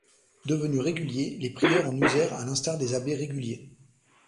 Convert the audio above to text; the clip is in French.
Devenus réguliers, les prieurs en usèrent à l'instar des abbés réguliers.